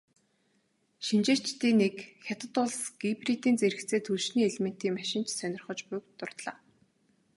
Шинжээчдийн нэг "Хятад улс гибридийн зэрэгцээ түлшний элементийн машин ч сонирхож буй"-г дурдлаа.